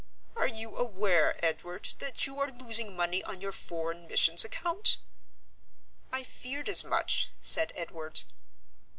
Are you aware, Edward, that you are losing money on your Foreign Missions Account?" "I feared as much," said Edward.